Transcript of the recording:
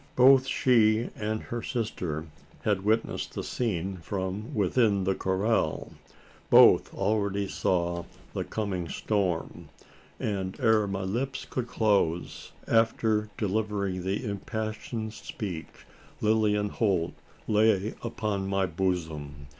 Both she and her sister had witnessed the scene within the corral. Both already foresaw the coming storm: and ere my lips could close, after delivering the impassioned speech, Lilian Holt lay upon my bosom!